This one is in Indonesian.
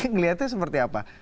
ngeliatnya seperti apa